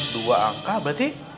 dua angka berarti